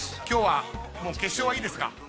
今日は決勝はいいですか？